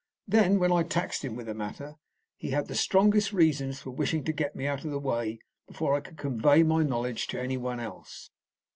Then, when I taxed him with the matter, he had the strongest reasons for wishing to get me out of the way before I could convey my knowledge to anyone else.